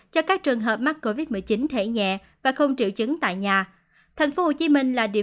cho các trường hợp mắc covid một mươi chín thể nhẹ và không triệu chứng tại nhà